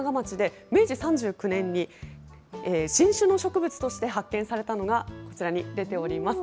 そんな阿賀町で、明治３９年に新種の植物として発見されたのが、こちらに出ています